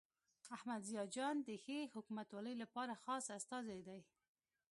احمد ضیاء جان د ښې حکومتولۍ لپاره خاص استازی دی.